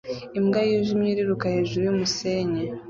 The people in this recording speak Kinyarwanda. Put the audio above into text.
Imbwa yijimye iriruka hejuru yumusenyi